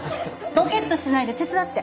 ボケっとしてないで手伝って。